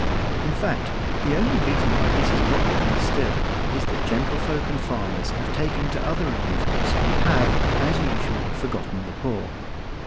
In fact, the only reason why this is not the case still is that gentlefolk and farmers have taken to other amusements, and have, as usual, forgotten the poor.